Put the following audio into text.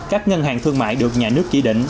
các ngân hàng thương mại được nhà nước chỉ định